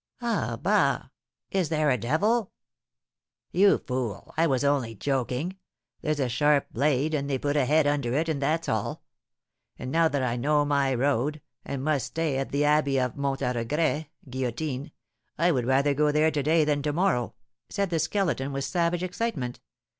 "Ah, bah! Is there a devil?" "You fool, I was only joking. There's a sharp blade, and they put a head under it, and that's all. And now that I know my road, and must stay at the abbey of Mont à Regret (guillotine), I would rather go there to day than to morrow," said the Skeleton, with savage excitement.